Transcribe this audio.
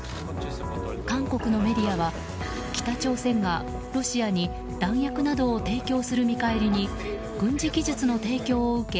韓国のメディアは北朝鮮が、ロシアに弾薬などを提供する見返りに軍事技術の提供を受け